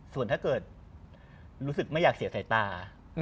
ส่วนถ้าเกิดรู้สึกไม่อยากเสียสายตา